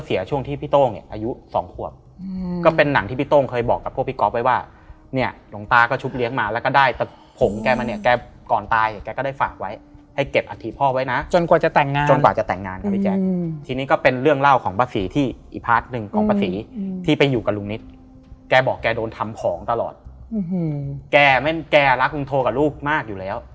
ส่องควบก็เป็นหนังที่พี่โต้งเคยบอกกับพวกพี่ก๊อบไว้ว่าเนี่ยหลงตาก็ชุบเลี้ยงมาแล้วก็ได้แต่ผงแกมาเนี่ยแกก่อนตายแกก็ได้ฝากไว้ให้เก็บอธิพ่อไว้นะจนกว่าจะแต่งงานจนกว่าจะแต่งงานครับพี่แจ๊คทีนี้ก็เป็นเรื่องเล่าของป้าศรีที่อีกพาร์ทหนึ่งของป้าศรีที่ไปอยู่กับลุงนิดแกบอกแกโดนทำของตล